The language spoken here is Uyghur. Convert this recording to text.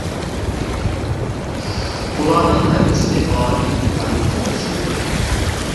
بۇلارنىڭ ھەممىسى ماڭا ئىنتايىن تونۇش ئىدى.